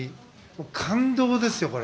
感動ですよ。